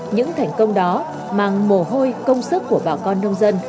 những thành công đó mang mồ hôi công sức của bà con nông dân